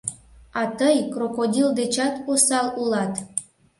А тый — крокодил дечат осал улат.